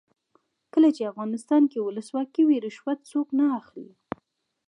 کله چې افغانستان کې ولسواکي وي رشوت څوک نه اخلي.